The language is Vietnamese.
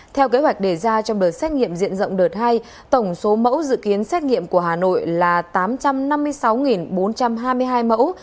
theo kế hoạch đề ra trong đợt xét nghiệm diện rộng đợt hai tổng số mẫu dự kiến xét nghiệm của hà nội là tám trăm năm mươi sáu bốn trăm hai mươi hai mẫu